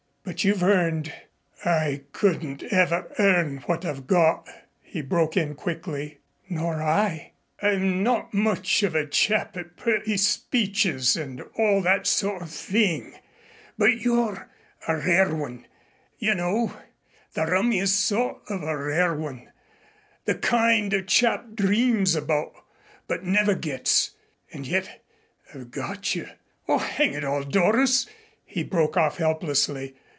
"But you've earned " "I couldn't ever earn what I've got," he broke in quickly. "Nor I " "I'm not much of a chap at pretty speeches and all that sort of thing, but you're a rare one, you know, the rummiest sort of a rare one the kind a chap dreams about but never gets and yet I've got you Oh, hang it all, Doris," he broke off helplessly.